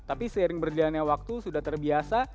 tapi seiring berjalannya waktu sudah terbiasa